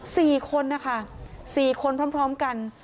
สี่คนนะคะสี่คนพร้อมกัน